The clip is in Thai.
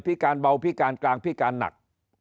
การเบาพิการกลางพิการหนัก